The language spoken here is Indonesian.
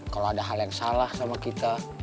kalau ada hal yang salah sama kita